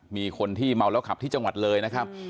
มีคนที่เมาแล้วขับที่จังหวัดเลยนะครับ